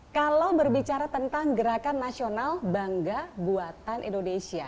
kalau berbicara tentang gerakan nasional bangga buatan indonesia